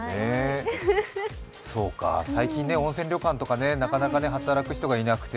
そうか、最近温泉旅館とか、なかなか働く人がいなくて